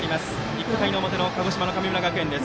１回の表の鹿児島の神村学園です。